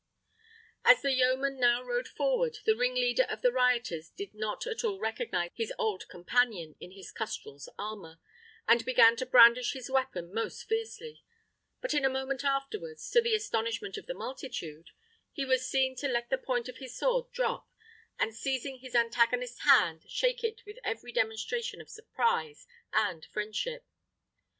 As the yeoman now rode forward, the ringleader of the rioters did not at all recognise his old companion in his custrel's armour, and began to brandish his weapon most fiercely; but in a moment afterwards, to the astonishment of the multitude, he was seen to let the point of the sword drop, and, seizing his antagonist's hand, shake it with every demonstration of surprise and friendship.